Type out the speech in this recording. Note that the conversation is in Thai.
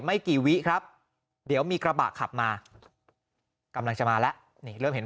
ไม่กี่วิครับเดี๋ยวมีกระบะขับมากำลังจะมาแล้วนี่เริ่มเห็น